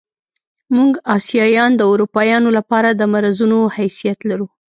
موږ اسیایان د اروپایانو له پاره د مرضونو حیثیت لرو.